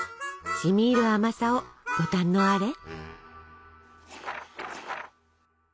しみいる甘さをご堪能あれ。